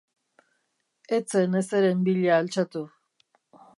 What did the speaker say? Ez zen ezeren bila altxatu.